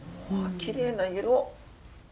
きれいな色。